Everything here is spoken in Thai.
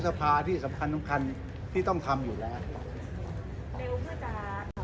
สภาที่สำคัญที่ต้องทำอยู่แล้ว